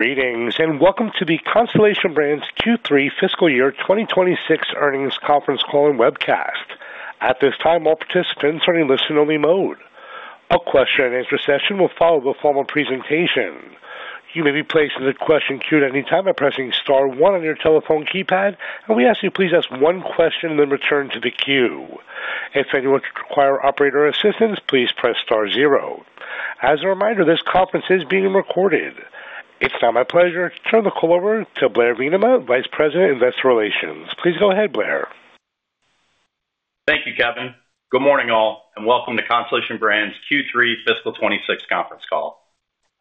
Greetings and welcome to the Constellation Brands Q3 Fiscal Year 2026 earnings conference call and Webcast. At this time, all participants are in listen-only mode. A question-and-answer session will follow the formal presentation. You may be placed in the question queue at any time by pressing star one on your telephone keypad, and we ask that you please ask one question and then return to the queue. If anyone requires operator assistance, please press star zero. As a reminder, this conference is being recorded. It's now my pleasure to turn the call over to Blair Veeneman, Vice President, Investor Relations. Please go ahead, Blair. Thank you, Kevin. Good morning, all, and welcome to Constellation Brands Q3 Fiscal 2026 conference call.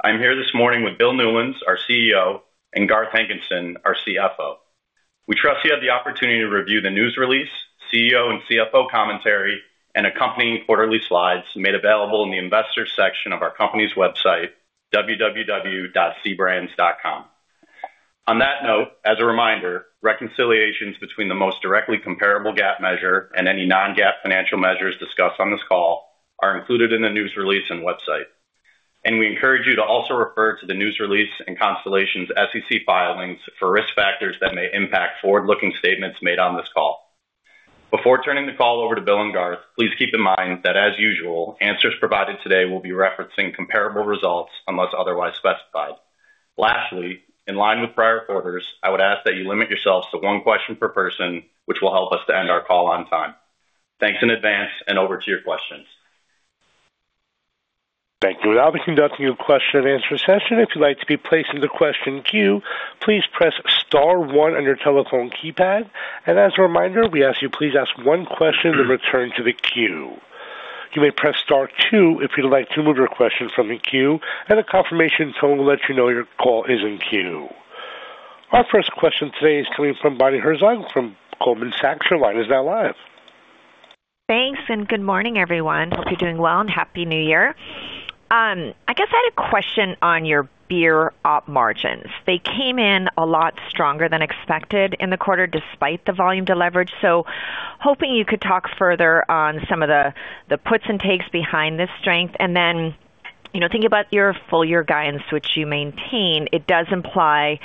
I'm here this morning with Bill Newlands, our CEO, and Garth Hankinson, our CFO. We trust you have the opportunity to review the news release, CEO and CFO commentary, and accompanying quarterly slides made available in the Investor section of our company's website, www.cbrands.com. On that note, as a reminder, reconciliations between the most directly comparable GAAP measure and any non-GAAP financial measures discussed on this call are included in the news release and website. And we encourage you to also refer to the news release and Constellation's SEC filings for risk factors that may impact forward-looking statements made on this call. Before turning the call over to Bill and Garth, please keep in mind that, as usual, answers provided today will be referencing comparable results unless otherwise specified. Lastly, in line with prior orders, I would ask that you limit yourselves to one question per person, which will help us to end our call on time. Thanks in advance, and over to your questions. Thank you. Now, we're conducting a question-and-answer session. If you'd like to be placed in the question queue, please press star one on your telephone keypad. And as a reminder, we ask that you please ask one question and then return to the queue. You may press star two if you'd like to move your question from the queue, and a confirmation tone will let you know your call is in queue. Our first question today is coming from Bonnie Herzog from Goldman Sachs. Her line is now live. Thanks, and good morning, everyone. Hope you're doing well and happy New Year. I guess I had a question on your beer op margins. They came in a lot stronger than expected in the quarter despite the volume deleverage, so hoping you could talk further on some of the puts and takes behind this strength. And then thinking about your full-year guidance, which you maintain, it does imply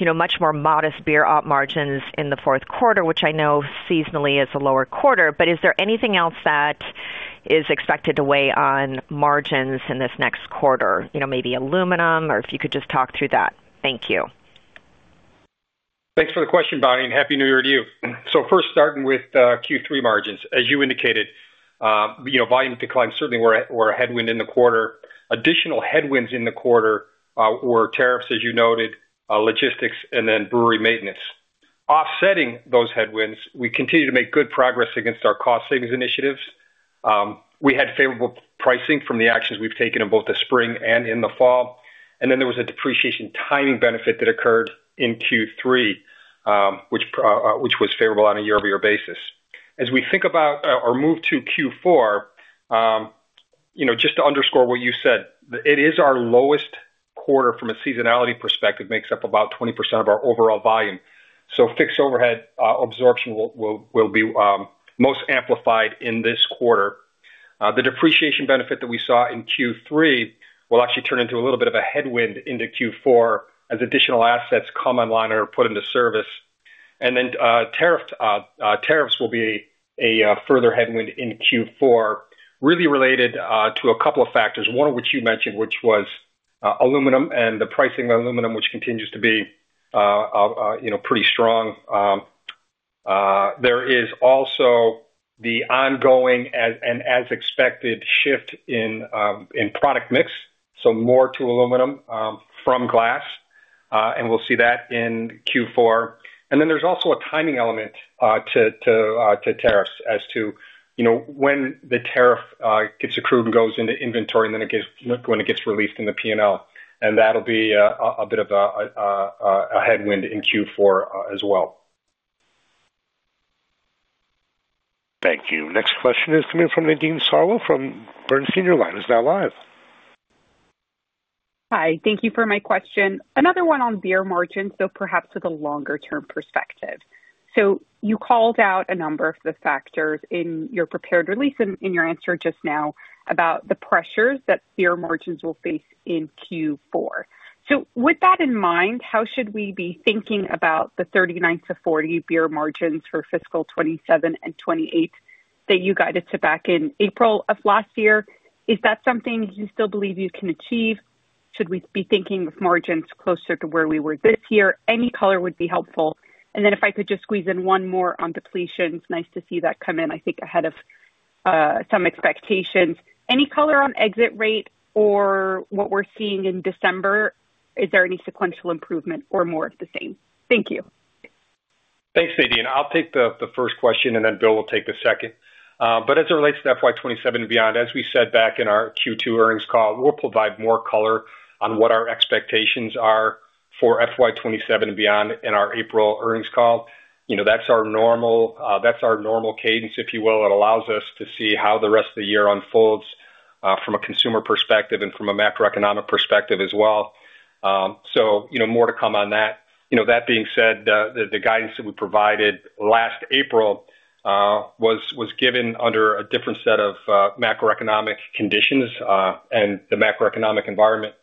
much more modest beer op margins in the fourth quarter, which I know seasonally is a lower quarter. But is there anything else that is expected to weigh on margins in this next quarter, maybe aluminum, or if you could just talk through that? Thank you. Thanks for the question, Bonnie, and happy New Year to you. So first, starting with Q3 margins, as you indicated, volume declines certainly were a headwind in the quarter. Additional headwinds in the quarter were tariffs, as you noted, logistics, and then brewery maintenance. Offsetting those headwinds, we continue to make good progress against our cost savings initiatives. We had favorable pricing from the actions we've taken in both the spring and in the fall. And then there was a depreciation timing benefit that occurred in Q3, which was favorable on a year-over-year basis. As we think about our move to Q4, just to underscore what you said, it is our lowest quarter from a seasonality perspective, makes up about 20% of our overall volume. So fixed overhead absorption will be most amplified in this quarter. The depreciation benefit that we saw in Q3 will actually turn into a little bit of a headwind into Q4 as additional assets come online or are put into service. And then tariffs will be a further headwind in Q4, really related to a couple of factors, one of which you mentioned, which was aluminum and the pricing of aluminum, which continues to be pretty strong. There is also the ongoing and, as expected, shift in product mix, so more to aluminum from glass, and we'll see that in Q4. And then there's also a timing element to tariffs as to when the tariff gets accrued and goes into inventory and then when it gets released in the P&L. And that'll be a bit of a headwind in Q4 as well. Thank you. Next question is coming from Nadine Sarwat from Bernstein. Your line is now live. Hi. Thank you for my question. Another one on beer margins, though perhaps with a longer-term perspective. So you called out a number of the factors in your prepared release and in your answer just now about the pressures that beer margins will face in Q4. So with that in mind, how should we be thinking about the 39-40 beer margins for fiscal 2027 and 2028 that you guided to back in April of last year? Is that something you still believe you can achieve? Should we be thinking of margins closer to where we were this year? Any color would be helpful. And then if I could just squeeze in one more on depletions, nice to see that come in, I think, ahead of some expectations. Any color on exit rate or what we're seeing in December? Is there any sequential improvement or more of the same? Thank you. Thanks, Nadine. I'll take the first question, and then Bill will take the second. But as it relates to FY 2027 and beyond, as we said back in our Q2 earnings call, we'll provide more color on what our expectations are for FY 2027 and beyond in our April earnings call. That's our normal cadence, if you will. It allows us to see how the rest of the year unfolds from a consumer perspective and from a macroeconomic perspective as well. So more to come on that. That being said, the guidance that we provided last April was given under a different set of macroeconomic conditions, and the macroeconomic environment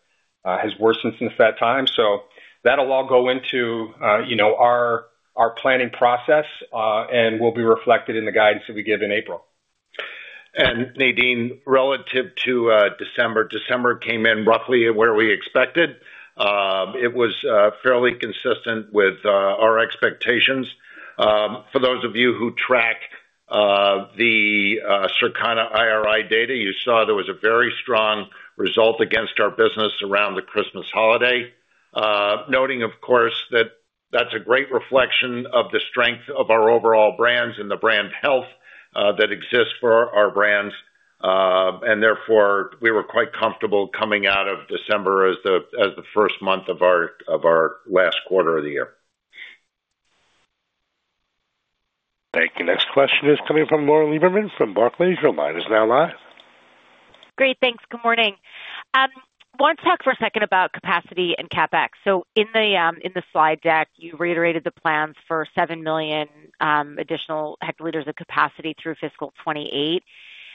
has worsened since that time. So that'll all go into our planning process and will be reflected in the guidance that we give in April. Nadine, relative to December, December came in roughly where we expected. It was fairly consistent with our expectations. For those of you who track the Circana IRI data, you saw there was a very strong result against our business around the Christmas holiday, noting, of course, that that's a great reflection of the strength of our overall brands and the brand health that exists for our brands. And therefore, we were quite comfortable coming out of December as the first month of our last quarter of the year. Thank you. Next question is coming from Lauren Lieberman from Barclays. Your line is now live. Great. Thanks. Good morning. I want to talk for a second about capacity and CapEx. So in the slide deck, you reiterated the plans for 7 million additional hectoliters of capacity through fiscal 2028.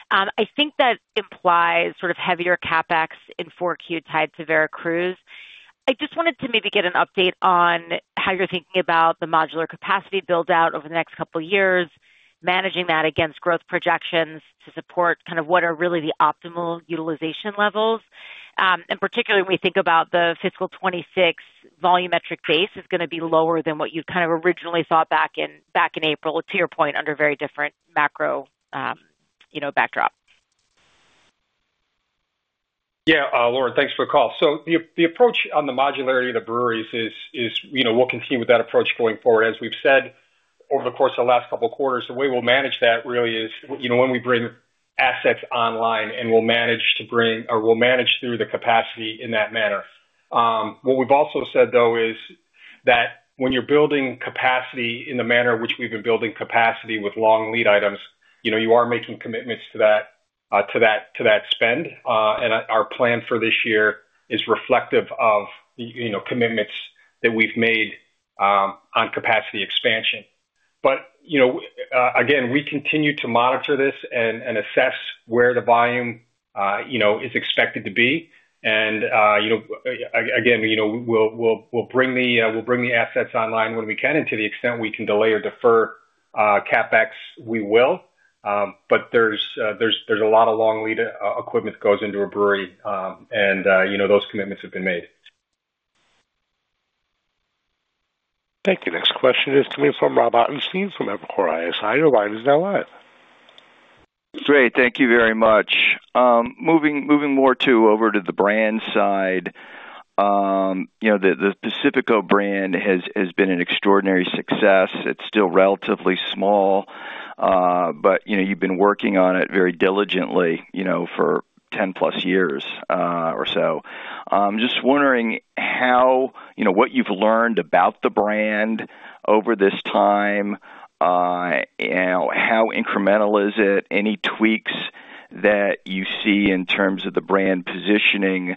I think that implies sort of heavier CapEx in 4Q tied to Veracruz. I just wanted to maybe get an update on how you're thinking about the modular capacity build-out over the next couple of years, managing that against growth projections to support kind of what are really the optimal utilization levels. And particularly, when we think about the fiscal 2026, volumetric base is going to be lower than what you kind of originally thought back in April, to your point, under a very different macro backdrop. Yeah, Lauren, thanks for the call. So the approach on the modularity of the breweries is we'll continue with that approach going forward. As we've said over the course of the last couple of quarters, the way we'll manage that really is when we bring assets online and we'll manage to bring or we'll manage through the capacity in that manner. What we've also said, though, is that when you're building capacity in the manner in which we've been building capacity with long lead items, you are making commitments to that spend. And our plan for this year is reflective of commitments that we've made on capacity expansion. But again, we continue to monitor this and assess where the volume is expected to be. And again, we'll bring the assets online when we can. And to the extent we can delay or defer CapEx, we will. But there's a lot of long lead equipment that goes into a brewery, and those commitments have been made. Thank you. Next question is coming from Rob Ottenstein from Evercore ISI. Your line is now live. Great. Thank you very much. Moving more over to the brand side, the Pacifico brand has been an extraordinary success. It's still relatively small, but you've been working on it very diligently for 10+ years or so. Just wondering what you've learned about the brand over this time, how incremental is it, any tweaks that you see in terms of the brand positioning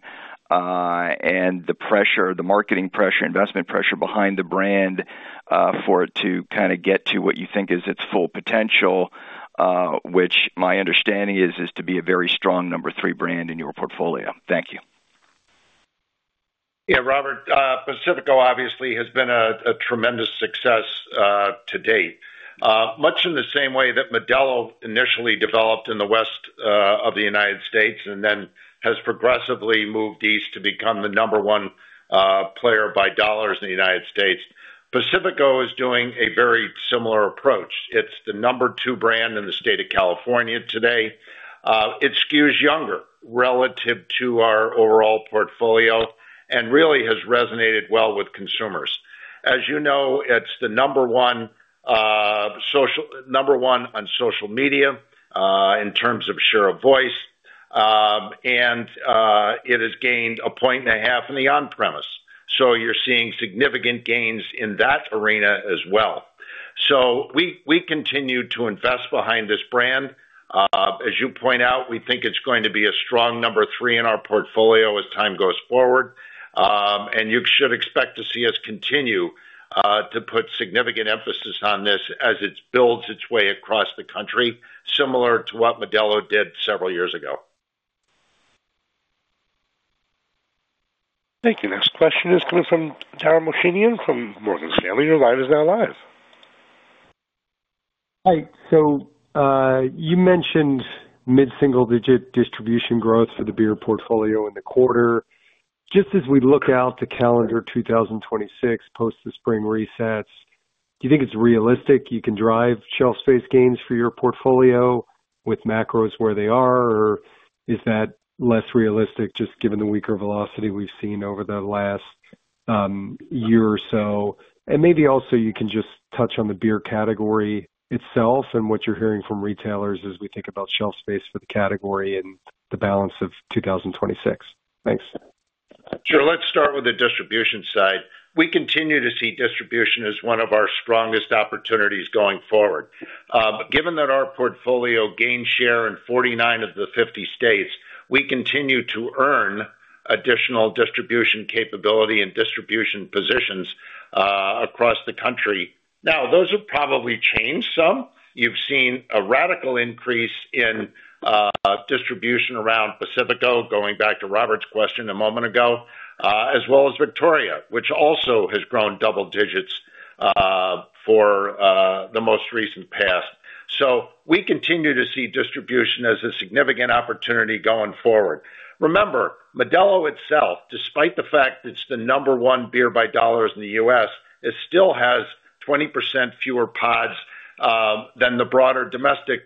and the marketing pressure, investment pressure behind the brand for it to kind of get to what you think is its full potential, which my understanding is to be a very strong number three brand in your portfolio. Thank you. Yeah, Robert, Pacifico obviously has been a tremendous success to date, much in the same way that Modelo initially developed in the West of the United States and then has progressively moved East to become the number one player by dollars in the United States. Pacifico is doing a very similar approach. It's the number two brand in the state of California today. It skews younger relative to our overall portfolio and really has resonated well with consumers. As you know, it's the number one on social media in terms of share of voice, and it has gained a point and a half in the on-premise. So you're seeing significant gains in that arena as well. So we continue to invest behind this brand. As you point out, we think it's going to be a strong number three in our portfolio as time goes forward. And you should expect to see us continue to put significant emphasis on this as it builds its way across the country, similar to what Modelo did several years ago. Thank you. Next question is coming from Dara Mohsenian from Morgan Stanley. Your line is now live. Hi. So you mentioned mid-single-digit distribution growth for the beer portfolio in the quarter. Just as we look out to calendar 2026 post the spring resets, do you think it's realistic you can drive shelf space gains for your portfolio with macros where they are, or is that less realistic just given the weaker velocity we've seen over the last year or so? And maybe also you can just touch on the beer category itself and what you're hearing from retailers as we think about shelf space for the category and the balance of 2026. Thanks. Sure. Let's start with the distribution side. We continue to see distribution as one of our strongest opportunities going forward. Given that our portfolio gains share in 49 of the 50 states, we continue to earn additional distribution capability and distribution positions across the country. Now, those have probably changed some. You've seen a radical increase in distribution around Pacifico, going back to Robert's question a moment ago, as well as Victoria, which also has grown double digits for the most recent past. So we continue to see distribution as a significant opportunity going forward. Remember, Modelo itself, despite the fact that it's the number one beer by dollars in the U.S., still has 20% fewer pods than the broader domestic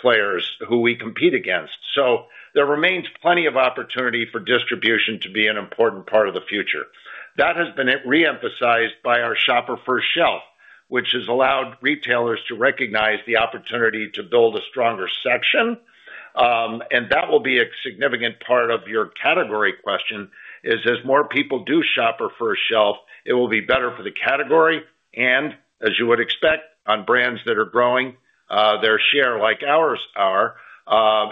players who we compete against. So there remains plenty of opportunity for distribution to be an important part of the future. That has been reemphasized by our Shopper-First Shelf, which has allowed retailers to recognize the opportunity to build a stronger section. And that will be a significant part of your category question: as more people do Shopper-First Shelf, it will be better for the category. And as you would expect on brands that are growing, their share, like ours are,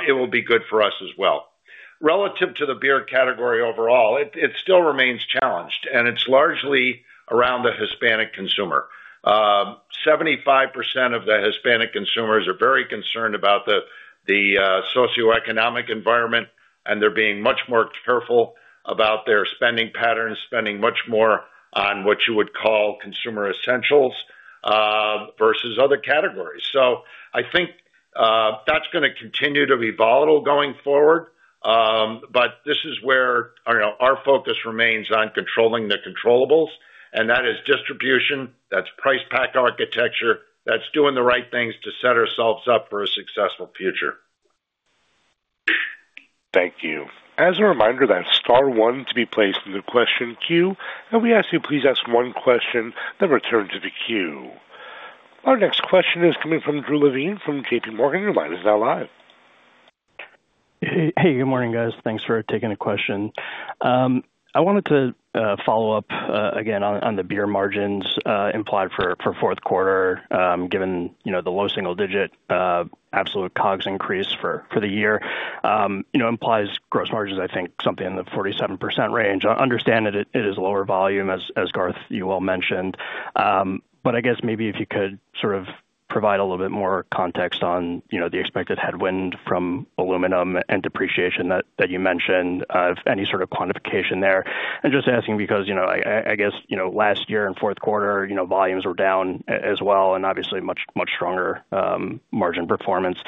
it will be good for us as well. Relative to the beer category overall, it still remains challenged, and it's largely around the Hispanic consumer. 75% of the Hispanic consumers are very concerned about the socioeconomic environment, and they're being much more careful about their spending patterns, spending much more on what you would call consumer essentials versus other categories. So I think that's going to continue to be volatile going forward. But this is where our focus remains on controlling the controllables, and that is distribution. That's price pack architecture. That's doing the right things to set ourselves up for a successful future. Thank you. As a reminder, that's star one to be placed in the question queue. And we ask that you please ask one question that returns to the queue. Our next question is coming from Drew Levine from JPMorgan. Your line is now live. Hey, good morning, guys. Thanks for taking the question. I wanted to follow up again on the beer margins implied for fourth quarter, given the low single-digit absolute COGS increase for the year. This implies gross margins, I think, something in the 47% range. I understand that it is lower volume, as Garth, you well mentioned. But I guess maybe if you could sort of provide a little bit more context on the expected headwind from aluminum and depreciation that you mentioned, if any sort of quantification there. And just asking because I guess last year in fourth quarter, volumes were down as well, and obviously much stronger margin performance.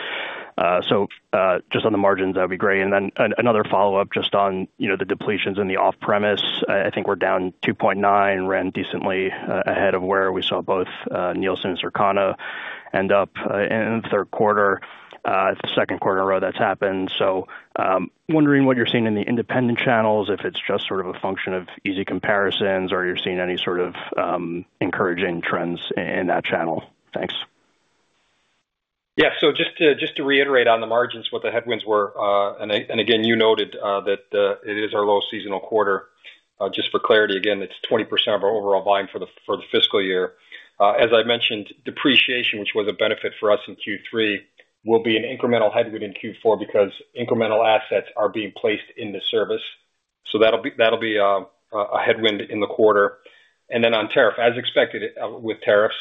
So just on the margins, that would be great. And then another follow-up just on the depletions in the off-premise. I think we're down 2.9%, ran decently ahead of where we saw both Nielsen and Circana end up in the third quarter, the second quarter in a row that's happened. So wondering what you're seeing in the independent channels, if it's just sort of a function of easy comparisons or you're seeing any sort of encouraging trends in that channel. Thanks. Yeah, so just to reiterate on the margins, what the headwinds were, and again, you noted that it is our low seasonal quarter. Just for clarity, again, it's 20% of our overall volume for the fiscal year. As I mentioned, depreciation, which was a benefit for us in Q3, will be an incremental headwind in Q4 because incremental assets are being placed into service, so that'll be a headwind in the quarter, and then on tariff, as expected with tariffs,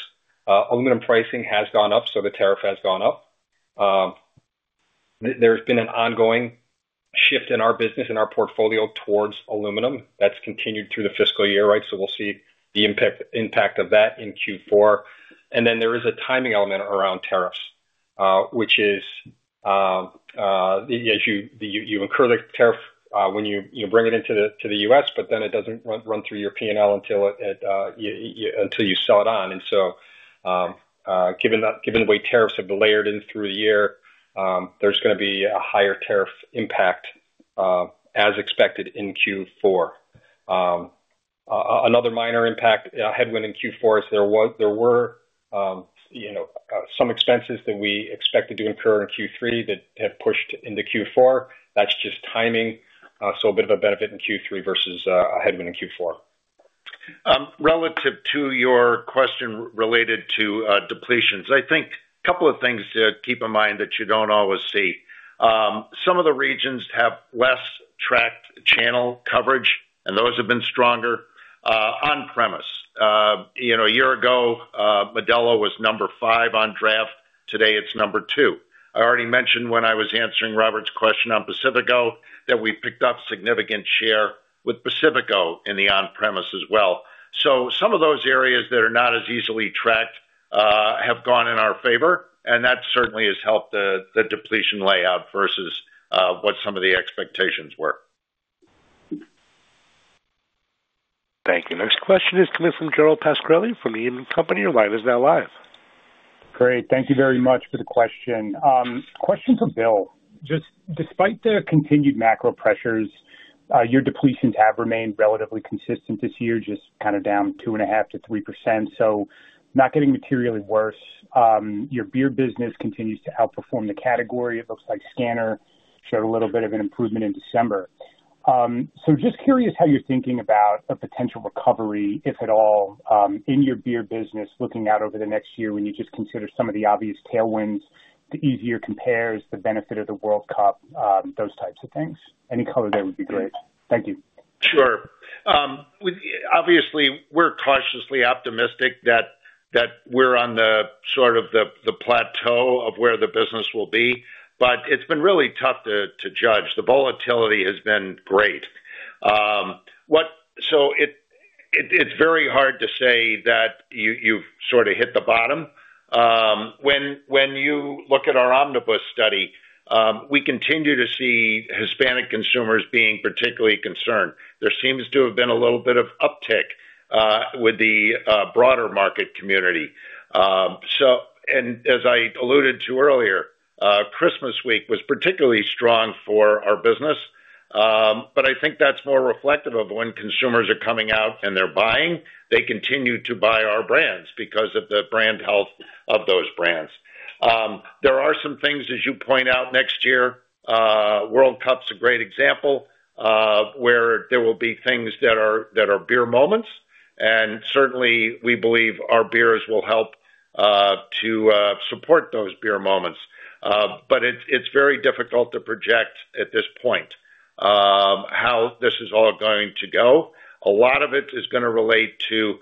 aluminum pricing has gone up, so the tariff has gone up. There's been an ongoing shift in our business and our portfolio towards aluminum. That's continued through the fiscal year, right, so we'll see the impact of that in Q4. And then there is a timing element around tariffs, which is you incur the tariff when you bring it into the U.S., but then it doesn't run through your P&L until you sell it on. And so given the way tariffs have layered in through the year, there's going to be a higher tariff impact as expected in Q4. Another minor impact headwind in Q4 is there were some expenses that we expected to incur in Q3 that have pushed into Q4. That's just timing. So a bit of a benefit in Q3 versus a headwind in Q4. Relative to your question related to depletions, I think a couple of things to keep in mind that you don't always see. Some of the regions have less tracked channel coverage, and those have been stronger on-premise. A year ago, Modelo was number five on draft. Today, it's number two. I already mentioned when I was answering Robert's question on Pacifico that we picked up significant share with Pacifico in the on-premise as well. So some of those areas that are not as easily tracked have gone in our favor, and that certainly has helped the depletion outlook versus what some of the expectations were. Thank you. Next question is coming from Gerald Pascarelli from Needham & Company. Your line is now live. Great. Thank you very much for the question. Question for Bill. Just despite the continued macro pressures, your depletions have remained relatively consistent this year, just kind of down 2.5%-3%. So not getting materially worse. Your beer business continues to outperform the category. It looks like scanner showed a little bit of an improvement in December. So just curious how you're thinking about a potential recovery, if at all, in your beer business looking out over the next year when you just consider some of the obvious tailwinds, the easier compares, the benefit of the World Cup, those types of things. Any color there would be great. Thank you. Sure. Obviously, we're cautiously optimistic that we're on sort of the plateau of where the business will be. But it's been really tough to judge. The volatility has been great. So it's very hard to say that you've sort of hit the bottom. When you look at our omnibus study, we continue to see Hispanic consumers being particularly concerned. There seems to have been a little bit of uptick with the broader market community. And as I alluded to earlier, Christmas week was particularly strong for our business. But I think that's more reflective of when consumers are coming out and they're buying. They continue to buy our brands because of the brand health of those brands. There are some things, as you point out, next year. World Cup's a great example where there will be things that are beer moments. Certainly, we believe our beers will help to support those beer moments. It's very difficult to project at this point how this is all going to go. A lot of it is going to relate to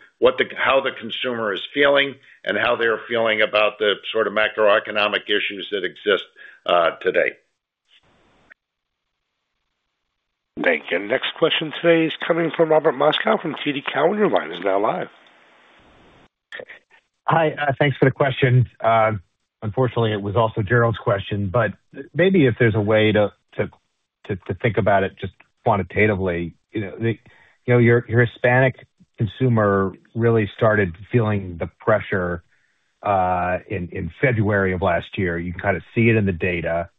how the consumer is feeling and how they're feeling about the sort of macroeconomic issues that exist today. Thank you. Next question today is coming from Robert Moskow from TD Cowen. Your line is now live. Hi. Thanks for the question. Unfortunately, it was also Gerald's question. But maybe if there's a way to think about it just quantitatively, your Hispanic consumer really started feeling the pressure in February of last year. You can kind of see it in the data.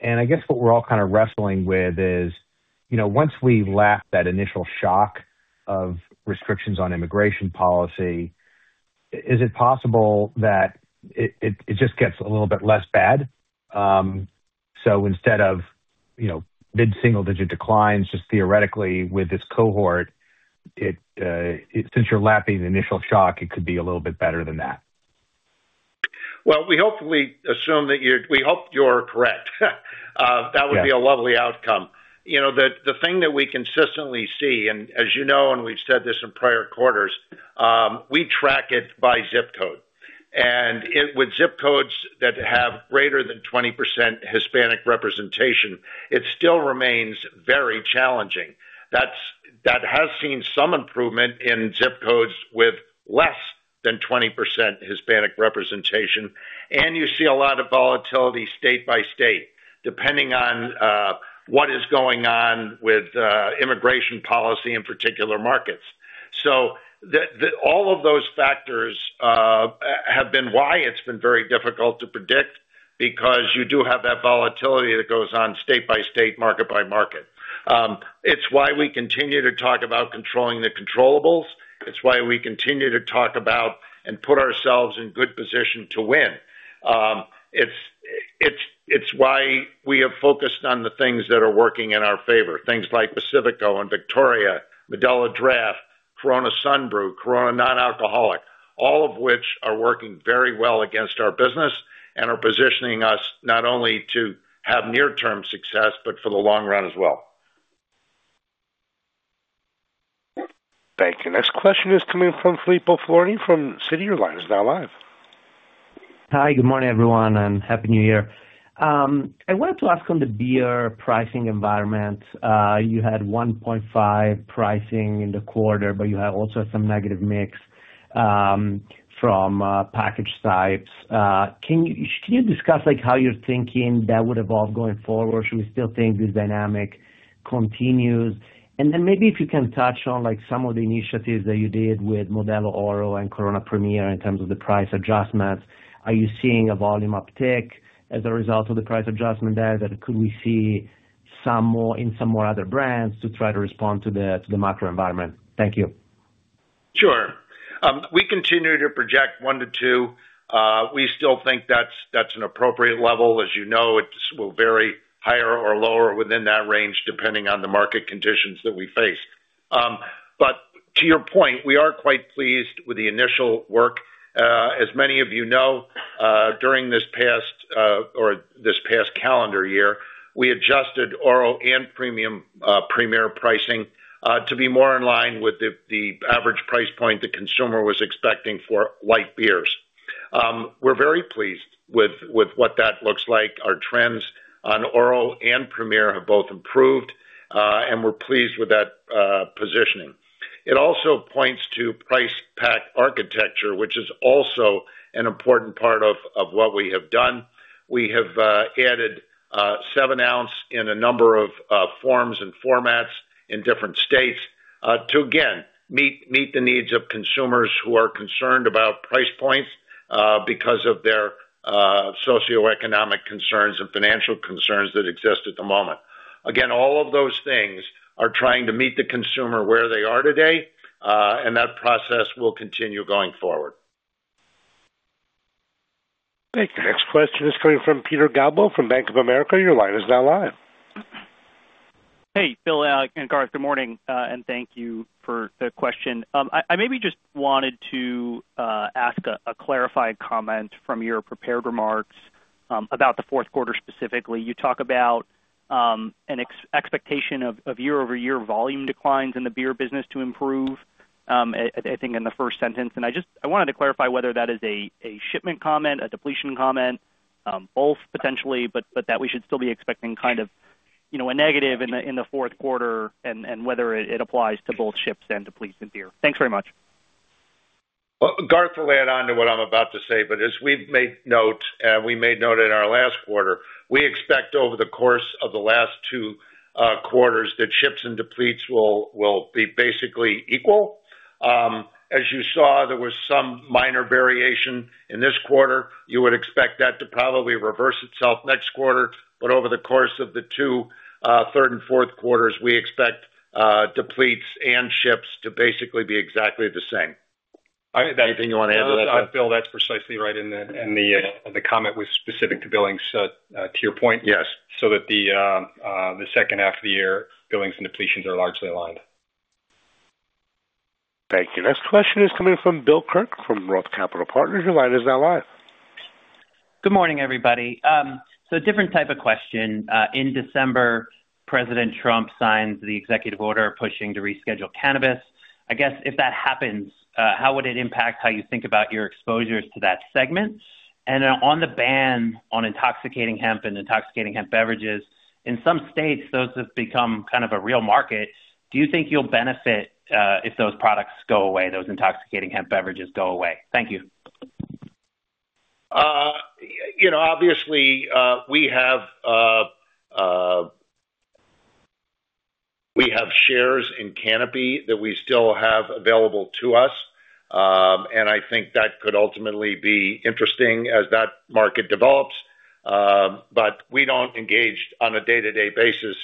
And I guess what we're all kind of wrestling with is once we've lapped that initial shock of restrictions on immigration policy, is it possible that it just gets a little bit less bad? So instead of mid-single-digit declines, just theoretically with this cohort, since you're lapping the initial shock, it could be a little bit better than that. We hope you're correct. That would be a lovely outcome. The thing that we consistently see, and as you know, and we've said this in prior quarters, we track it by zip code with zip codes that have greater than 20% Hispanic representation. It still remains very challenging. That has seen some improvement in zip codes with less than 20% Hispanic representation. You see a lot of volatility state by state, depending on what is going on with immigration policy in particular markets, all of those factors have been why it's been very difficult to predict because you do have that volatility that goes on state by state, market by market. It's why we continue to talk about controlling the controllables. It's why we continue to talk about and put ourselves in good position to win. It's why we have focused on the things that are working in our favor, things like Pacifico and Victoria, Modelo Draft, Corona Sunbrew, Corona Non-Alcoholic, all of which are working very well against our business and are positioning us not only to have near-term success, but for the long run as well. Thank you. Next question is coming from Filippo Falorni from Citi. Your line is now live. Hi. Good morning, everyone, and happy New Year. I wanted to ask on the beer pricing environment. You had 1.5% pricing in the quarter, but you had also some negative mix from package types. Can you discuss how you're thinking that would evolve going forward? Should we still think this dynamic continues? And then maybe if you can touch on some of the initiatives that you did with Modelo Oro and Corona Premier in terms of the price adjustments, are you seeing a volume uptick as a result of the price adjustment there? Could we see some more in some more other brands to try to respond to the macro environment? Thank you. Sure. We continue to project one to two. We still think that's an appropriate level. As you know, it will vary higher or lower within that range depending on the market conditions that we face. But to your point, we are quite pleased with the initial work. As many of you know, during this past calendar year, we adjusted Oro and Premier pricing to be more in line with the average price point the consumer was expecting for light beers. We're very pleased with what that looks like. Our trends on Oro and Premier have both improved, and we're pleased with that positioning. It also points to price pack architecture, which is also an important part of what we have done. We have added seven-ounce in a number of forms and formats in different states to, again, meet the needs of consumers who are concerned about price points because of their socioeconomic concerns and financial concerns that exist at the moment. Again, all of those things are trying to meet the consumer where they are today, and that process will continue going forward. Thank you. Next question is coming from Peter Galbo from Bank of America. Your line is now live. Hey, Bill and Garth, good morning, and thank you for the question. I maybe just wanted to ask a clarifying comment from your prepared remarks about the fourth quarter specifically. You talk about an expectation of year-over-year volume declines in the beer business to improve, I think, in the first sentence. And I just wanted to clarify whether that is a shipment comment, a depletion comment, both potentially, but that we should still be expecting kind of a negative in the fourth quarter and whether it applies to both ships and depletes in beer. Thanks very much. Garth will add on to what I'm about to say. As we've made note, and we made note in our last quarter, we expect over the course of the last two quarters that ships and depletes will be basically equal. As you saw, there was some minor variation in this quarter. You would expect that to probably reverse itself next quarter. Over the course of the two, third, and fourth quarters, we expect depletes and ships to basically be exactly the same. Anything you want to add to that? Bill, that's precisely right. And the comment was specific to billings, to your point, so that the second half of the year, billings and depletions are largely aligned. Thank you. Next question is coming from Bill Kirk from Roth Capital Partners. Your line is now live. Good morning, everybody. So a different type of question. In December, President Trump signs the executive order pushing to reschedule cannabis. I guess if that happens, how would it impact how you think about your exposures to that segment? And on the ban on intoxicating hemp and intoxicating hemp beverages, in some states, those have become kind of a real market. Do you think you'll benefit if those products go away, those intoxicating hemp beverages go away? Thank you. Obviously, we have shares in Canopy that we still have available to us. And I think that could ultimately be interesting as that market develops. But we don't engage on a day-to-day basis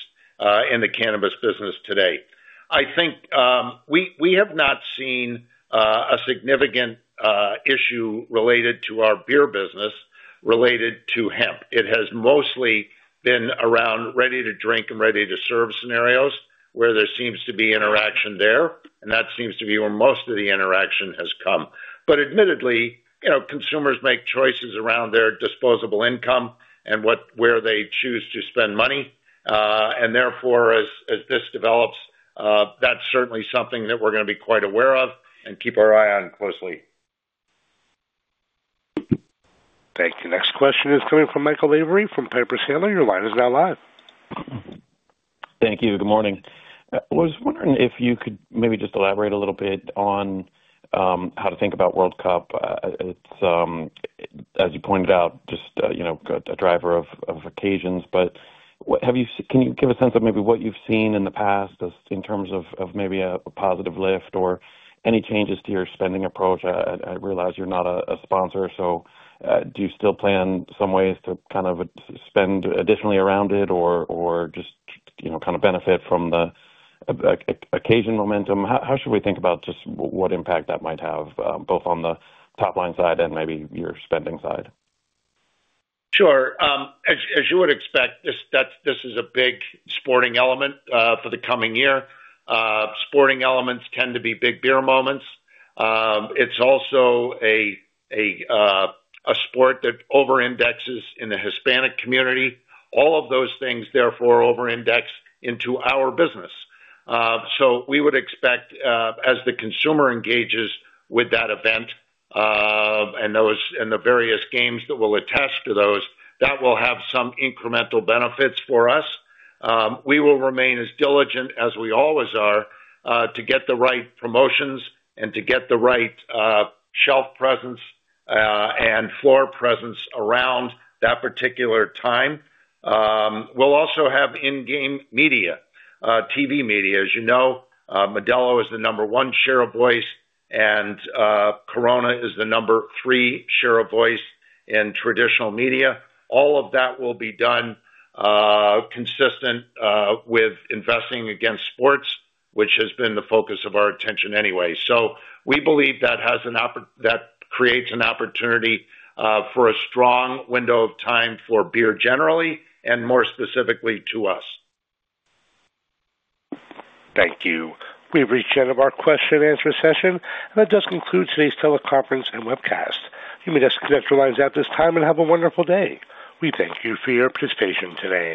in the cannabis business today. I think we have not seen a significant issue related to our beer business related to hemp. It has mostly been around ready-to-drink and ready-to-serve scenarios where there seems to be interaction there. And that seems to be where most of the interaction has come. But admittedly, consumers make choices around their disposable income and where they choose to spend money. And therefore, as this develops, that's certainly something that we're going to be quite aware of and keep our eye on closely. Thank you. Next question is coming from Michael Lavery from Piper Sandler. Your line is now live. Thank you. Good morning. I was wondering if you could maybe just elaborate a little bit on how to think about World Cup. It's, as you pointed out, just a driver of occasions. But can you give a sense of maybe what you've seen in the past in terms of maybe a positive lift or any changes to your spending approach? I realize you're not a sponsor. So do you still plan some ways to kind of spend additionally around it or just kind of benefit from the occasion momentum? How should we think about just what impact that might have both on the top line side and maybe your spending side? Sure. As you would expect, this is a big sporting element for the coming year. Sporting elements tend to be big beer moments. It's also a sport that over-indexes in the Hispanic community. All of those things, therefore, over-index into our business. So we would expect, as the consumer engages with that event and the various games that will attach to those, that will have some incremental benefits for us. We will remain as diligent as we always are to get the right promotions and to get the right shelf presence and floor presence around that particular time. We'll also have in-game media, TV media. As you know, Modelo is the number one share of voice, and Corona is the number three share of voice in traditional media. All of that will be done consistent with investing against sports, which has been the focus of our attention anyway. So we believe that creates an opportunity for a strong window of time for beer generally and more specifically to us. Thank you. We've reached the end of our question-and-answer session. And that does conclude today's teleconference and webcast. You may disconnect your lines at this time and have a wonderful day. We thank you for your participation today.